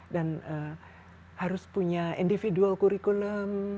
dan harus punya individual curriculum